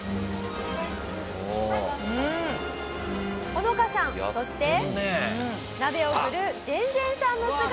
ホノカさんそして鍋を振るジェンジェンさんの姿が。